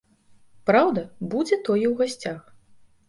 Праўда, будзе тое ў гасцях.